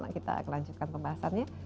kita lanjutkan pembahasannya